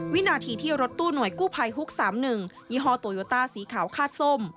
วินาทีที่รถตู้หน่วยกู้ภัยฮุก๓๑ยี่ห้อโตโยต้าสีขาวคาดส้ม